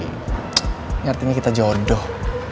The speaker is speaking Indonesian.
ini artinya kita jodoh